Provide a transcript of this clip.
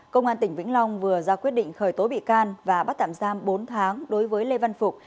công an tỉnh vĩnh long vừa ra quyết định khởi tố bị can và bắt tạm giam bốn tháng đối với lê văn phục